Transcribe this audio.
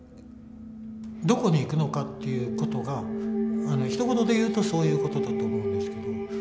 どこに行くのかっていうことがひと言で言うとそういうことだと思うんですけど。